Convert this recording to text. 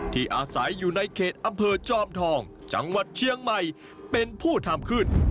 ที่อาศัยอยู่ในเขตอำเภอจอมทองจังหวัดเชียงใหม่เป็นผู้ทำขึ้น